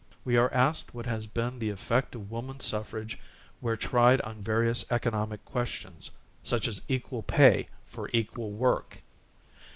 We are asked what has been the effect of woman suffrage where tried on various economic questions, such as equal pay for equal work.